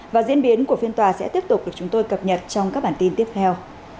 và diễn biến của phiên tòa sẽ tiếp tục được chúng tôi cập nhật trong các bản tin tiếp theo